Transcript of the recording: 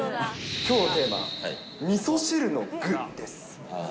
きょうのテーマ、みそ汁の具です。